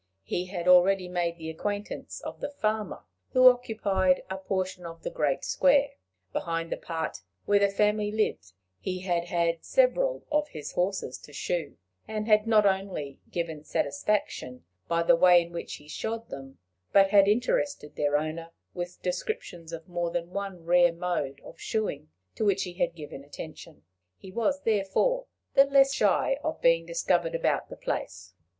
He had already made the acquaintance of the farmer who occupied a portion of the great square, behind the part where the family lived: he had had several of his horses to shoe, and had not only given satisfaction by the way in which he shod them, but had interested their owner with descriptions of more than one rare mode of shoeing to which he had given attention; he was, therefore, the less shy of being discovered about the place.